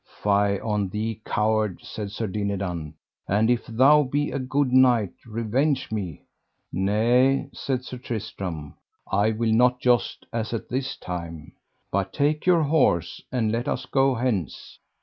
Fie on thee, coward, said Sir Dinadan, and if thou be a good knight revenge me. Nay, said Sir Tristram, I will not joust as at this time, but take your horse and let us go hence.